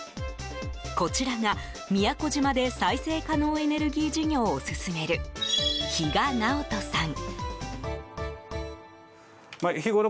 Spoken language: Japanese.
こちらが、宮古島で再生可能エネルギー事業を進める比嘉直人さん。